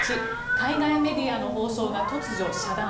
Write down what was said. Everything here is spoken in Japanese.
海外メディアの放送が突如遮断。